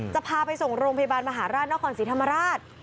จะพาไปส่งโรงพยาบาลมหาราชนครศรีธรรมราช